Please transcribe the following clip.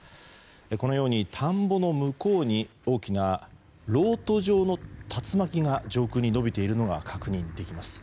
このように田んぼの向こうに大きなろうと状の竜巻が上空に伸びているのが確認できます。